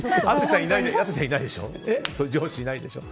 淳さん、いないでしょ？